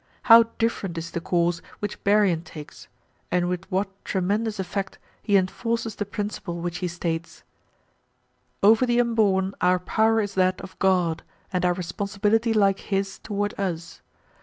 how different is the course which Berrian takes, and with what tremendous effect he enforces the principle which he states: "Over the unborn our power is that of God, and our responsibility like His toward us.